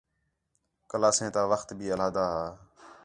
کلاسیں تا وخت بھی علیحدہ ہا